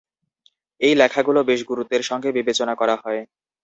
এই লেখাগুলো বেশ গুরুত্বের সঙ্গে বিবেচনা করা হয়।